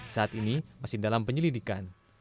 saat ini masih dalam penyelidikan